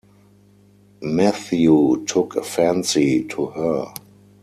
Matthew took a fancy to her.